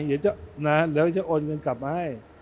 เดี๋ยวจะโอนเงินกลับมาให้